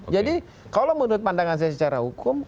jadi kalau menurut pandangan saya secara hukum